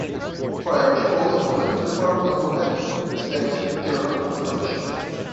Prior to closing, the Language Department offered Latin, Spanish, German and French.